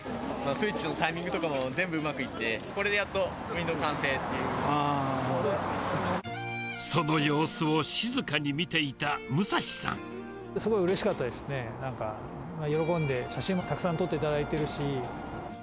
スイッチのタイミングとかも、全部うまくいって、これでやっと、その様子を静かに見ていた武すごいうれしかったですね、なんか、喜んで、写真もたくさん撮っていただいてるし。